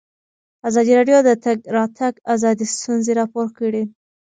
ازادي راډیو د د تګ راتګ ازادي ستونزې راپور کړي.